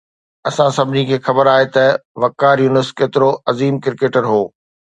اسان سڀني کي خبر آهي ته وقار يونس ڪيترو عظيم ڪرڪيٽر هو